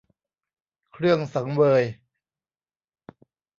เครื่องสังเวย